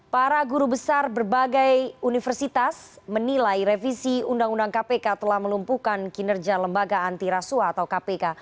para guru besar berbagai universitas menilai revisi undang undang kpk telah melumpuhkan kinerja lembaga antirasuah atau kpk